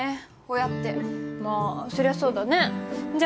親ってまあそりゃそうだねじゃ